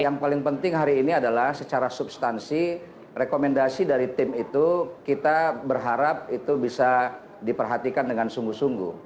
yang paling penting hari ini adalah secara substansi rekomendasi dari tim itu kita berharap itu bisa diperhatikan dengan sungguh sungguh